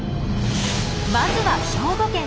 まずは兵庫県。